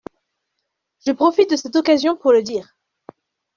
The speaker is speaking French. Je profite de cette occasion pour le dire.